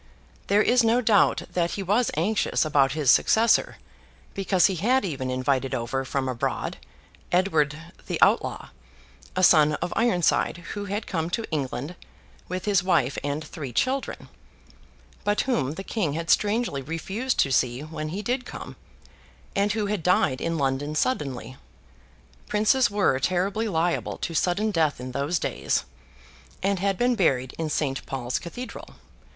There is no doubt that he was anxious about his successor; because he had even invited over, from abroad, Edward the Outlaw, a son of Ironside, who had come to England with his wife and three children, but whom the King had strangely refused to see when he did come, and who had died in London suddenly (princes were terribly liable to sudden death in those days), and had been buried in St. Paul's Cathedral.